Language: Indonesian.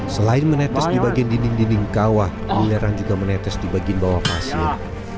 selain menetes di bagian dinding dinding kawah belerang juga menetes di bagian bawah pasir